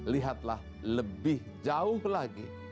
lihatlah lebih jauh lagi